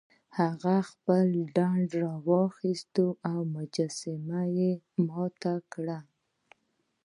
هغه خپله ډنډه راواخیسته او مجسمه یې ماته کړه.